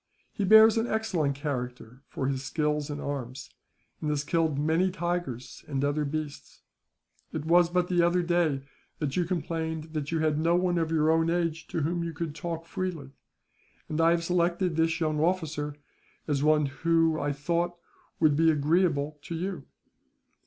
He bears an excellent character for his skill in arms, and has killed many tigers and other beasts. It was but the other day that you complained that you had no one of your own age to whom you could talk freely; and I have selected this young officer as one who, I thought, would be agreeable to you."